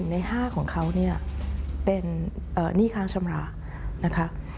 ๑ใน๕ของเขาเป็นนี่ข้างชำระนะคะ